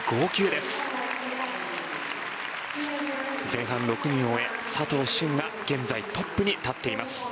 前半６人を終え佐藤駿が現在、トップに立っています。